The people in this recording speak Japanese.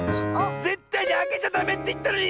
ぜったいにあけちゃダメっていったのに！